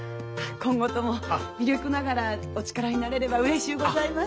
今後とも微力ながらお力になれればうれしゅうございます。